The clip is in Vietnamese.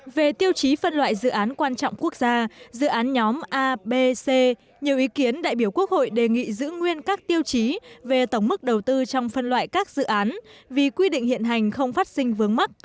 về tiêu chí phân loại dự án quan trọng quốc gia dự án nhóm abc nhiều ý kiến đại biểu quốc hội đề nghị giữ nguyên các tiêu chí về tổng mức đầu tư trong phân loại các dự án vì quy định hiện hành không phát sinh vướng mắt